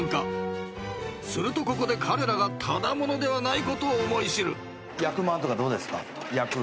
［するとここで彼らがただ者ではないことを思い知る］